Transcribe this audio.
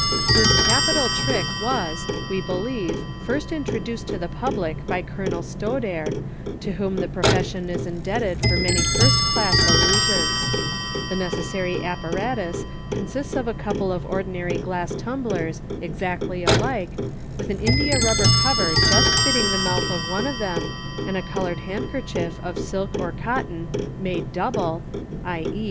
— This capital trick was, we believe, first introduced to the public by Colonel Stodare, to whom the profession is indebted for many first class illu sions0 The necessary apparatus consists of a couple of ordinary gla>s tumblers, exactly alike, with an india rubber cover just fitting the mouth of one of them, and a coloured handkerchief of silk or cotton made double {i.e.